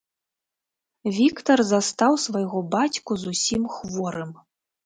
Віктар застаў свайго бацьку зусім хворым.